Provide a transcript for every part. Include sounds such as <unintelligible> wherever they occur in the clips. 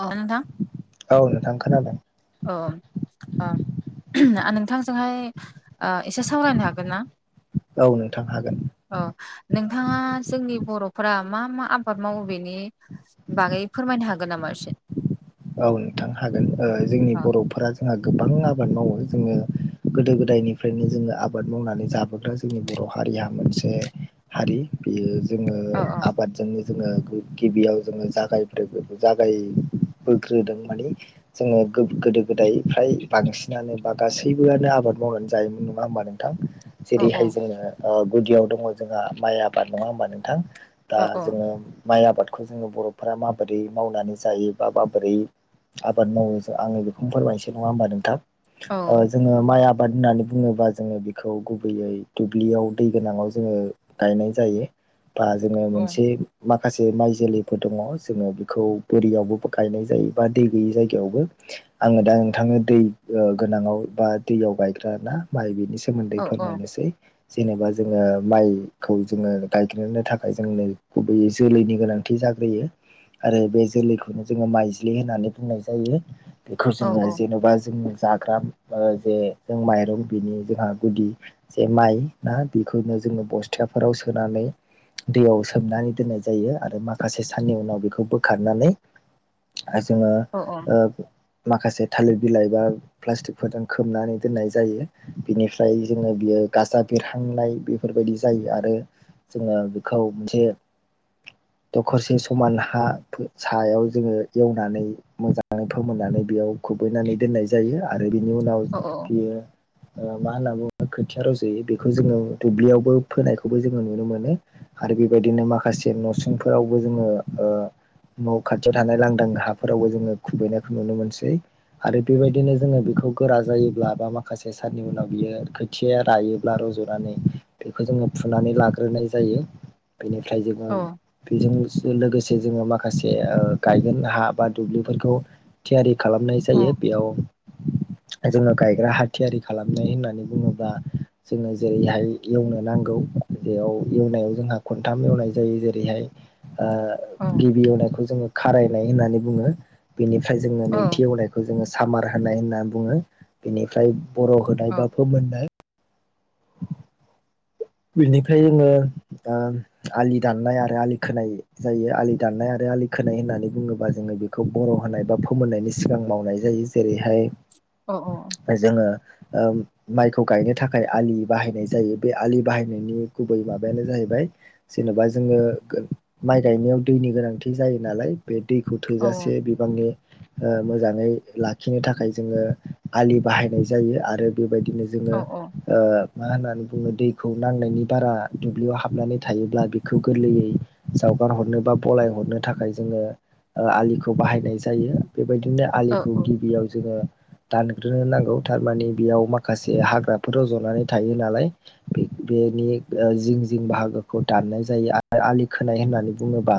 अ नोंथां। औ नोंथां खोनादों। ओम ओ आ नोंथांजोंहाय आ एसे सावरायनो हागोन ना? औ नोंथां हागोन। अ नोंथाङा जोंनि बर'फोरा मा मा आबाद मावो बेनि बागै फोरमायनो हागोन नामा एसे? औ नोंथां हागोन ओ जोंनि अ बर'फोरा जोंहा गोबां आबाद मावो जोङो गोदो गोदायनिफ्रायनो जोङो आबाद मावनानै जाबोग्रा जोंनि बर' हारिया मोनसे हारि। बियो जोङो औ आबादजोंनो जोङो गिबियाव जोङो जागाय ब्रोगो जागाय बोग्रोदों मानि जोङो गोद गोदो गोदाय फ्राय बांसिनानो बा गासैबोआनो आबाद मावनानै जायोमोन नङा होमबा नों थां औ जेरैहाय औ जोङो ओ गुदियाव दङ जोंहा माइ आबाद नङा होमबा नोंथां? दा जोङो माइ आबादखौ जोङो बर'फोरा माबोरै मावनानै जायो बा माबोरै आबाद मावो जो आङो बेखौनो फोरमायनोसै नङा होमबा नोंथां? औ ओ जोङो माइ आब बाद होननानै बुङोबा जोङो बिखौ गुबैयै दुब्लियाव दै गोनाङाव जोङो गायनाय जायो बा जोङो औ मोनसे माखासे माइ जोलैफोर दङ जोङो बिखौ बोरियावबो गायनाय जायो बा दै गैयै जायगायावबो आङो दा नोंथांनो दै ओ गोनाङाव बा दैयाव गायग्राना माइ बिनि सोमोन्दै औ औ फोरमायनोसै। जेनेबा जोङो माइखौ जोङो गायग्रोनो थाखाय जोंनो गुबैयै जोलैनि गोनां थि जाग्रोयो आरो बे जोलैखौनो जोङो माइज्लि होननानै बुंनाय जायो। बेखौ जोङो औ औ जेन'बा जों जाग्रा ओ जे जों माइरं बिनि जोहा गुदि जे माइ ना बेखौनो जोङो बस्थाफोराव सोनानै दैयाव सोमनानै दोननाय जायो आरो माखासे साननि उनाव बेखौ बोखारनानै जोङो औ ओ माखासे थालिर बिलाइ बा प्लास्टिकफोरजों खोबनानै दोननाय जायो। बिनिफ्राय जोङो बियो गाजा बेरहांनाय बेफोरबायदि जायो आरो जोङो बेखौ मोनसे दखरसे समान हा सायाव जोङो एवनानै मोजाङै फोमोननानै बेयाव खुबैनानै दोननाय जायो। आरो बिनि उनाव औ बियो मा होनना बुङो खोथिया रज'यो बेखौ जोङो दुब्लियावबो फोनायखौबो जोङो नुनो मोनो। आरो बेबायदिनो माखासे न'सिंफोरावबो जोङो ओ न' खाथि खाथियाव थानाय लांदां हाफोरावबो जोङो खुबैनायखौ नुनो मोनसै। आरो बेबायदिनो जोङो बेखौ गोरा जायोब्ला बा माखासे साननि उनाव बियो खो थिया रायोब्ला रज'नानै बेखौ जोङो फुनानै लाग्रोनाय जायो। बेनिफ्राय जोङो बेजों लोगोसे जोङो माखासे ओ गायगोन हा बा दुब्लिफोरखौ थियारि खालामनाय औ जायो। बेयाव <inaudible> जोङो गायग्रा हा थियारि खालामनाय होननानै बुङोब्ला जोङो जेरैहाय एवनो नांगौ बेयाव एवनायाव जोंहा खनथाम एवनाय जायो जेरैहाय ओ औ औ गिबि एवनायखौ जोङो खारायनाय होननानै बुङो बेनिफ्राय जोङो नैथि एवनायखौ बेखौ जोङो सामार होनाय होनना बुङो बेनिफ्राय बर' होनाय बा फोमोननाय बिनिफ्राय जोङो ओ आलि दाननाय आरो आलि खोनाय जायो आलि दाननाय आरो आलि खोनाय होननानै बुङोबा जोङो बेखौ बर' होनाय बा फोमोननायनि सिगां मावनाय जायो। जेरैहाय अ अ जोङो ओ माइखौ गायनो थाखाय आलि बाहायनाय जायो बे आलि बाहायनायनि गुबै माबायानो जाहैबाय जेन'बा जोङो माइ गायनायाव दैनि गोनांथि जायो नालाय बे दैखौ थोजासे बि बांनि मोजाङै लाखिनो थाखाय जोङो आलि बाहायनाय जायो आरो बेबायदिनो जोङो ओ मा होननानै बुङो दैखौ नांनायनि बारा दुब्लियाव हाबनानै थायोब्ला बेखौ गोरलैयै जावगार हरनो बा बलाय हरनो थाखाय जोङो आलिखौ बाहायनाय जायो। बेबायदिनो आलिखौ गिबियाव जोङो दानग्रोनो नांगौ थारमाने बेयाव माखासे हाग्राफोर रज'नानै थायो नालाय। बेनि जिं जिं बाहागोखौ दाननाय जायो आरो आलि खोनाय होननानै बुङोबा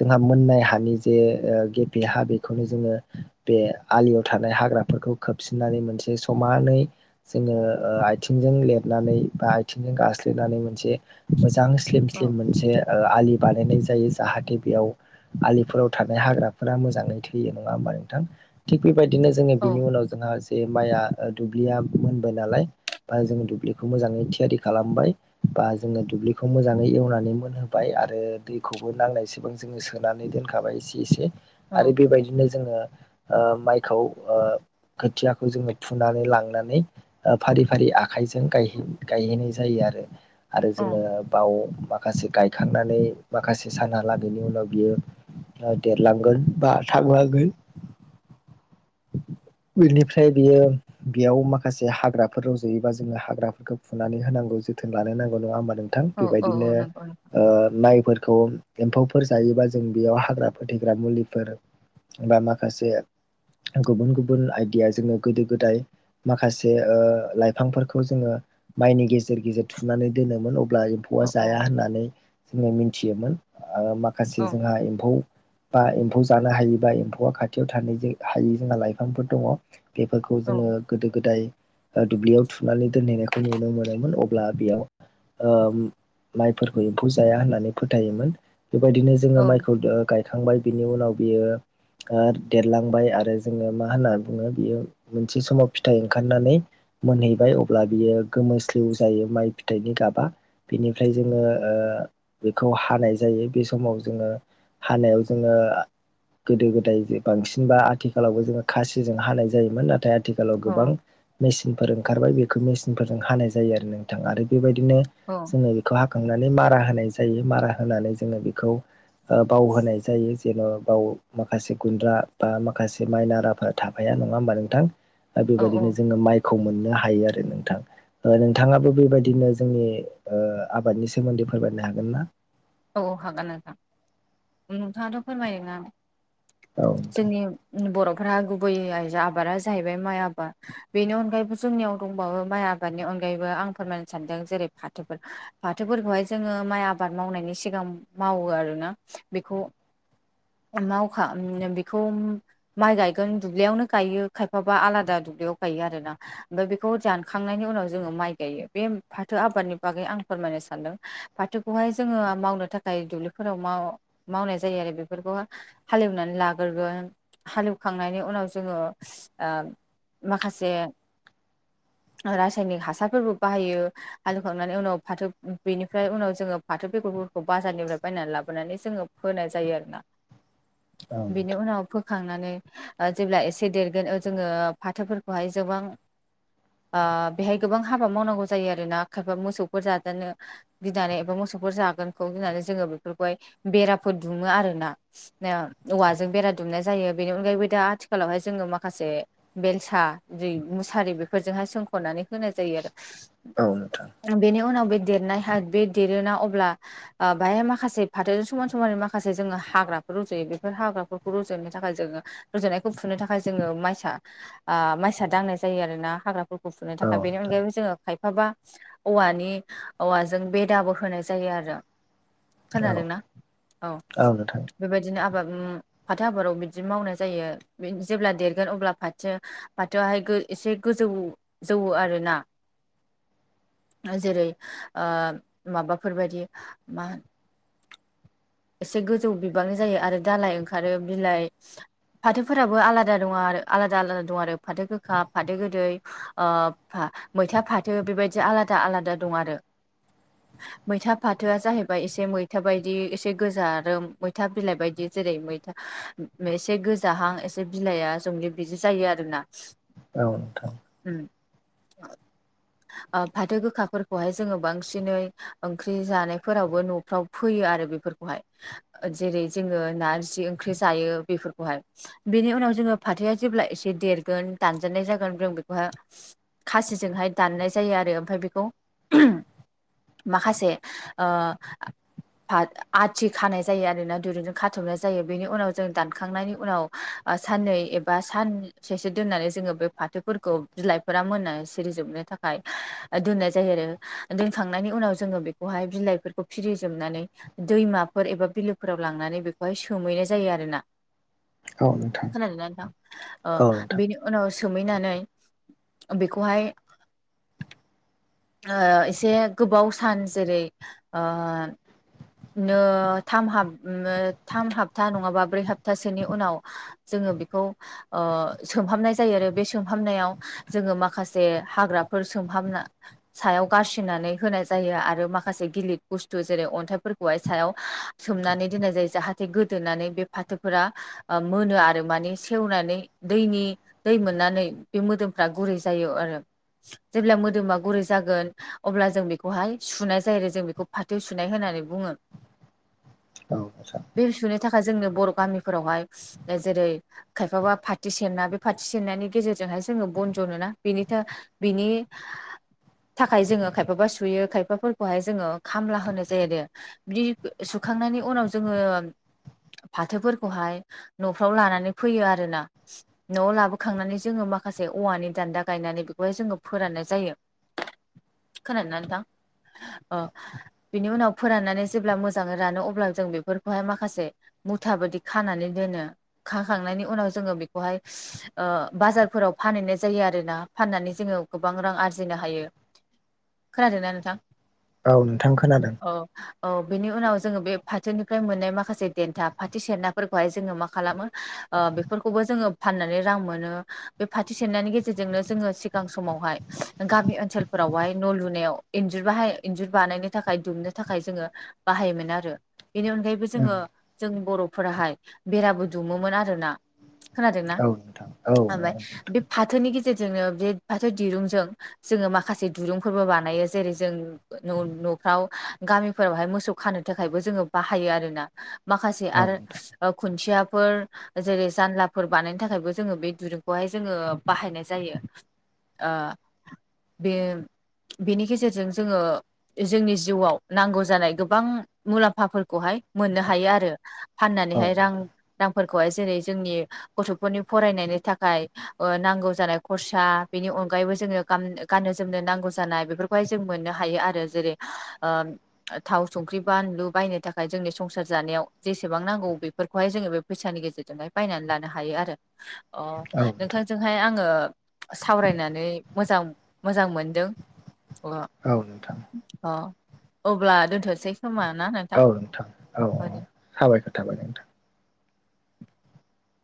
जोंहा मोननाय हानि जे ओ गेबे हा बेखौनो जोङो बे आलियाव थानाय हाग्राफोरखौ खोबसिननानै मोनसे समानै जोङो ओ आथिं जों लिरनानै बा आथिंजों गास्लिनानै मोनसे मोजां स्लिम औ स्लिम मोनसे आलि बानायनाय जायो जाहाथे बेयाव आलिफोराव थानाय हाग्राफोरा मोजाङै थैयो नङा होमबा नोंथां? थिग बेबायदिनो जोङो औ बिनि उनाव जोंहा जे माइया दुब्लिया मोनबाय नालाय बा जोङो दुब्लिखौ मोजाङै थियारि खालामबाय बा जोङो दुब्लिखौ मोजाङै एवनानै मोनहोबाय आरो दैखौबो नांनायसेबां जोङो सोनानै दोनखाबाय एसे एसे आरो बेबायदिनो जोङो माइखौ खोथियाखौ जोङो फुनानै लांनानै फारि फारि आ आखाइजों गायहै गायहैनाय जायो आरो आरो जोङो बाव माखासे गायखांनानै माखासे सानहालागैनि उनाव बियो देरलांगोन बा थांलांगोन। बेनिफ्राय बेयो बेयाव माखासे हाग्रा फोर रजयोबा जोङो हाग्राफोरखौ फुनानै होनांगौ जोथोन लानो नांगौ नङा होमबा नों थां औ बेबायदिनो नंगौ नंगौ ओ लाइफोरखौ एम्फौफोर जायोबा जों बेयाव हाग्रा फोथैग्रा मुलिफोर बा माखासे गुबुन गुबुन आयदिया जोङो गोदो गोदाय माखासे ओ लाइफांफोरखौ जोङो माइनि गेजेर गेजेर थुनानै दोनोमोन अब्ला एम्फौवा औ औ जाया होननानै जोङो मिथियोमोन औ माखासे जोंहा एम्फौ बा एम्फौ जानो हायो बा एम्फौआ खाथियाव थानोहायै जोंहा लाइफांफोर दङ बेफोरखौ औ जोङो गोदो गोदाय ओ दुब्लियाव थुनानै दोनहैनायखौ नुनो मोनोमोन अब्ला बेयाव ओ माइफोरखौ एम्फौ जाया होननानै फोथायोमोन बेबायदिनो जोङो औ माइखौ गायखांबाय बिनि उनाव बियो ओ देरलांबाय आरो जोङो मा होनना बुङो बियो मोनसे समाव फिथाइ ओंखारनानै मोनहैबाय अब्ला बियो गोमोस्लिउ जायो माइ फिथाइनि गाबा बेनिफ्राय जोङो ओ बेखौ हानाय जायो बे समाव जोङो हानायाव जोङो गोदो गोदाय बांसिनबा आथिखालावबो जोङो खासिजों हानाय जायोमोन नाथाय आथिखालाव गोबां मेचिनफोर ओंखारबाय बेखौ मेसिनफोरजों हानाय जायो आरो नोंथाङा आरो बेबायदिनो औ जोङो बेखौ हाखांनानै मारा होनाय जायो मारा होनानै जोङो बेखौ ओ बाव होनाय जायो जेन बाव माखासे गुन्द्रा बा माखासे माइनार आफाद थाफाया नङा होमबा नोंथां दा औ औ बेबायदिनो जोङो माइखौ मोननो हायो आरो नोंथां ओ नोंथाङाबो बेबायदिनो जोंनि ओ आबादनि सोमोन्दै फोरमायनो हागोन ना औ हागोन नोंथां नोंथाङाथ फोरमायोना औ नोंथां जोंनि बर'फ्रा गुबै आबादा जाहैबाय माइ आबाद बेनि अनगायैबो जोंनियाव दंबावो माइ आबा दनि अनगायैबो आं फोरमायनो सानदों जेरै फाथोफोर फाथोफोरखौहाय जोङो माइ आबाद मावनायनि सिगां मावो आरोना बेखौ मावखा बेखौ माइ गायगोन दुब्लियावनो गायो खायफाबा आलादा दुब्लियाव गायो आरोना ओमफ्राय बेखौ दानखांनायनि उनाव जोङो माइ गायो बे फाथो आबादनि बागै आं फोरमायनो सानदों फाथोखौहाय जोङो मावनो थाखाय दुब्लिफोराव माव मावनाय जायो आरो बेफो रखौ हालेवनानै लाग्रोगोन हालेवखांनायनि उनाव जोङो माखासे रासायनिक हासारफोरबो बाहायो हाएवखांनानै उनाव फाथो बेनिफ्राय उनाव जोङो फाथो बेगरखौ बाजारनिफ्राय बायनानै लाबोनानै जोङो फोनाय जायो आरोना औ नोंथां बिनि उनाव फोखांनानै जेब्ला एसे देरगोन जोङो फाथोफोरखौहाय जोबां आ बेहाय गोबां हाबा मावनांगौ जायो आरोना खायफा मोसौफोर जाजानो गिनानै एबा मोसौफोर जागोनखौ गिनानै जोङो बेफोरखौहाय बेराफोर दुुङो आरोना औवाजों बेरा दुमनाय जायो बेनि अनगायैबो दा आथिखालावहाय जोङो माखासे बेलसा जि मुसारि बेफोरजोंहाय सोंखनानै होनाय जायो आरो औ नोथां बेनि उनाव बे देरनाय हा बे देरोना अब्ला आ बाहाय माखासे फाथोजों समान समान माखासे जोङो हाग्रा रजयो बेफोर हाग्राफोरखौ रुजनो थाखाय जोङो रजनायखौ फुनो थाखाय जोङो माइसा आ माइसा दांनाय जायो आरो ना हाग्राफोरखौ फुनो औ थाखाय बेनि अनगायैबो जोङो खायफाबा औवानि औवाजों बेदाबो होनाय जायो आरो नोंथां खोनादोंना औ औ बेबायदिनो आबाद फाथो आबादाव बिदि मावनाय जायो जेब्ला देरगोन अब्ला फाथो फाथोआहाय एसे गोजौ जौवो आरोना जेरै ओ माबाफोरबायदि मा हो एसे गोजौ बिबांनि जायो आरो दालाइ ओंखारो बिलाइ फाथोफोराबो आलादा दङ आरो आलादा आलादा दं आरो फाथो गोखा फाथो गोदै ओ फा मैथा फाथो बेबायदि आलादा आलादा दं आरो मैथा फाथोआ जाहैबाय एसे मैथा बायदि एसे गोजा आरो मैथा बिलाइ बायदि जेरै मैथा एसे गोजाहां एसे बिलाइया जंब्लिद बिदि जायो। आरोना <unintelligible> औ नोंथां उम फाथो गोखाफोरखौहाय जोंङो बांसिनै ओंख्रि जानायफोरावबो न'फ्राव फोयो आरो बेफोरखौहाय जेरै जोंङो नारजि ओंख्रि जायो बेफोरखौहाय बेनि उनाव जोंङो फाथोआ जेब्ला एसे देरगोन दानजानाय जागोन जों बेखौहाय खासिजोंहाय दाननाय जायो आरो ओमफ्राय बेखौ माखासे आथि खानाय जायो आरोना दिरुंजों खाथ'नाय जायो। बेनि उनाव जों दानखांनायनि उनाव साननै एबा सान ससे दोननानै जोंङो बे फाथोफोरखौ बिलाइफोरा मोना सिरिजोबनो थाखाय दोननाय जायो आरो दोनखांनायनि उनाव जोंङो बेखौहाय बिलाइफोरखौ फिरिजोबनानै दैमाफोर एबा बिलोफोराव लांनानै बेखौहाय सोमहैनाय जायो आरोना औ नोंथां खोनादों नोथां औ नोंथां बेनि उनाव सोमहैनानै बेखौहाय एसे गोबाव सान जेरै नो थाम हाब थाम हप्ता नंङाबा ब्रै हप्तासोनि उनाव जोंङो बेखौ सोमहाबनाय जायो आरो बे सोमहाबनायाव जोंङो माखासे हाग्राफोर सोमहाबना सायाव गारसिननानै होनाय जायो आरो माखासे गिलिर बुस्थु जेरै अन्थाइफोरखौहाय सायाव सोमनानै दोननाय जायो जाहाथे गोदोनानै बे फाथोफोरा मोनो आरो माने सेवनानै दैनि दै मोननानै बे मोदोमफ्रा गुरै जायो आरो जेब्ला मोदोमा गुरै जागोन अब्ला जों बेखौहाय सुनाय जायो आरो जों बेखौ फाथो सुनाय होननानै बुंङो <inaudible> औ बे सुनो थाखाय जोंनो बर' गामिफोरावहाय जेरै खायफाबा फोथो सेरना बे फाथो सेरनायनि गेजेरजोंहाय जोंङो बन जनोना बेनि थाखाय बिनि थाखाय जोंङो खायफाबा सुयो खायफाफोरखौहाय जोंङो खामला होनो जायो आरो बिदि सुखांनायनि उनाव जोंङो फाथोफोरखौहाय न'फ्राव लानानै फैयो आरोना न'आव लाबोखांनानै जोंङो माखासे औवानि दान्दा गायनानै बेखौहाय जोंङो फोराननाय जायो। खोनादोंना नोंथां बिनि उनाव फोराननानै जेब्ला मोजांङै रानो अब्ला जों बेफोरखौहाय माखासे मुथााबायाददि खानानै दोनो खाखांनायनि उनाव जोंङो बेखौहाय बाजारफोराव फानहैनाय जायो आरोना फाननानै जोंङो गोबां रां आरजिायो बुजिनो हायो खोनादोंना नोंथां औ नोंथां खोनादों। औ औ बेनि उनाव जोंङो बे फाथोनिफ्राय मोननाय माखासे देन्था फाथो सेरनाफोरखौहाय जोंङो मा खालामो बेफोरखौबो जोंङो फाननानै रां मोनो बे फथि सेरनायनि गेजेरजोंनो जोंङो सिगां समावहाय गामि ओनसोलफोरावहाय न' लुनायाव इन्जुर बाहाय इन्जुर बानायनो थाखाय दुमनो थाखाय जोंङो बाहायोमोन आरो बेनि अनगायै उम जोंङो जों बर'फोराहाय बेराबो दुमोमोन आरोना खोनादोंनाा औ नोंथां औ ओमफ्राय बे फाथोनि गेजेरजोंनो बे फाथो दिरुंजों जोंङो माखासे दुरुंफोरबो बानायो जेरै जों न'फ्राव गामिफोरावहाय मोसौ खानो थाखायबो जोंङो बाहायो आरो ना माखासे औ आरो नोंथां ओ खुन्थियाफोर जेरै जानलाफोर बानायनो थाखायबो जोङो बे दुरुंखौहाय जोङो बाहायनाय जायो। ओ बे बेनि गेजेरजों जोङो जोंनि जिउआव नांगौ जानाय गोबां मुलाम्फाफोरखौहाय मोननो हायो आरो औ फाननानैहाय रां नोंथां रांफोरखौहाय जेरै जोंनि गथ'फोरनि फरायनायनि थाखाय नांगौ ओ नांगौ खरसा बेनि अनगायैबो जोङो गाम गाननो जोमनो नांगौ जानाय बेफोरखौहाय जों मोननो हायो आरो जेरै ओ थाव संख्रि बानलु बायनो थाखाय जोंनि संसार जानायाव जेसेबां नांगौ बेफोरखौहाय जोङो बे फैसानि गेजेरजोंहाय बायनानै लानो हायो आरो। अ औ नोंथां नोंथांजोंहाय आङो सावरायनानै मोजां मोजां मोनदों अ औ नोंथां। अ अब्ला दोनथ'नोसै खोमाना नों औ नोंथां औ औ साबायखर थाबाय नोंथां।